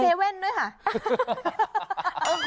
มีเซเว่นด้วยค่ะ